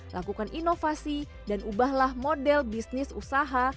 lakukan inovasi dan ubahlah model bisnis usaha